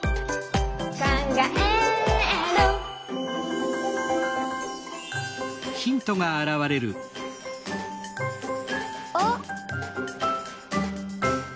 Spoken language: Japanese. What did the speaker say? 「かんがえる」あっ！